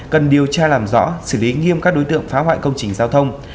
cần điều tra làm rõ xử lý nghiêm các đối tượng phá hoại công trình giao thông